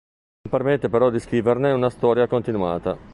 Non permette però di scriverne una storia continuata.